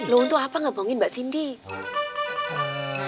loh untuk apa ngebohongin mbak cindy